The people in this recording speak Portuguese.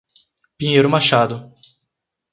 Pinheiro Machado